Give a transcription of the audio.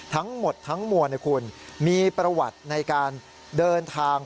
ทั้งหมดทั้งมวลนะคุณมีประวัติในการเดินทาง